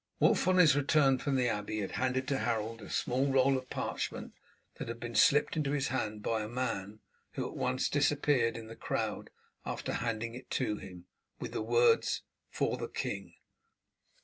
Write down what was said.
Wulf on his return from the abbey had handed to Harold a small roll of parchment that had been slipped into his hand by a man, who at once disappeared in the crowd after handing it to him, with the words, "For the king".